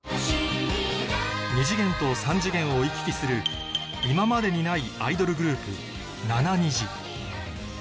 ２次元と３次元を行き来する今までにないアイドルグループナナニジ